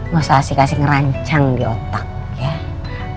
gak usah asyik asyik ngerancang di otak ya